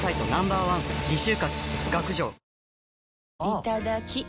いただきっ！